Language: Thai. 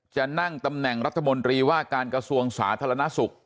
จะนั่งตำแหน่งรัฐมนตรีว่าการกระทรวงสาธารณสุข